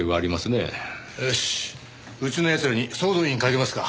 よしうちの奴らに総動員かけますか。